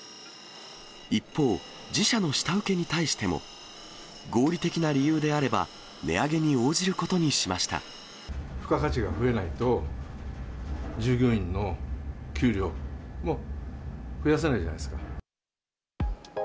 一方、自社の下請けに対しても、合理的な理由であれば値上げに応じるこ付加価値が増えないと、従業員の給料も増やせないじゃないですか。